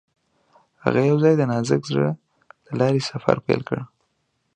هغوی یوځای د نازک زړه له لارې سفر پیل کړ.